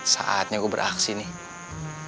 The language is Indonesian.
saatnya aku beraksi nih